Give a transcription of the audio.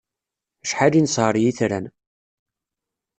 Acḥal i nesher i yetran!